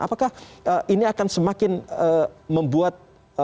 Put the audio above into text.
apakah ini akan semakin membuat